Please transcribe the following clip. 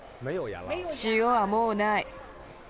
塩はもうない。